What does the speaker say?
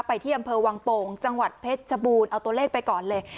ที่อำเภอวังโป่งจังหวัดเพชรชบูรณ์เอาตัวเลขไปก่อนเลย